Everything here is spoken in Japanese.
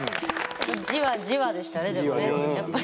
じわじわでしたねでもねやっぱり。